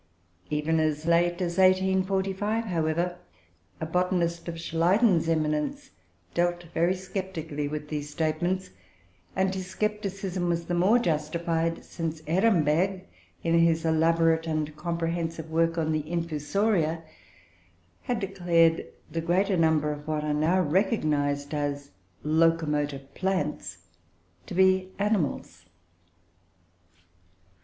Even as late as 1845, however, a botanist of Schleiden's eminence dealt very sceptically with these statements; and his scepticism was the more justified, since Ehrenberg, in his elaborate and comprehensive work on the Infusoria, had declared the greater number of what are now recognised as locomotive plants to be animals.